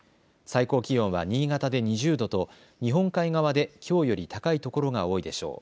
最高気温は新潟で２０度と日本海側できょうより高い所が多いでしょう。